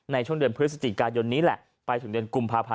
ในช่วงเดือนพฤศจิการยนนี้แหละ